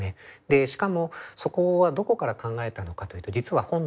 しかもそこはどこから考えたのかというと実は本なんです。